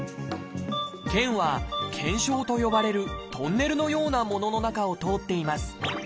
腱は「腱鞘」と呼ばれるトンネルのようなものの中を通っています。